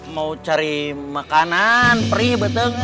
mau cari makanan prih beteng